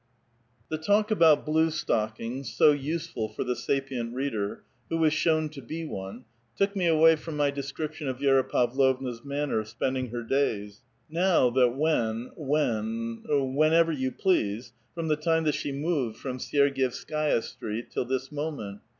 The talk about Blue Stockings, so useful for the sapient reader, who was shown to be one, took me away from my description of Vi^ra Pavlovna's manner of spending her days. Now that when — when — whenever you please ; from the time that she moved from Syergievskaia Street till this moment.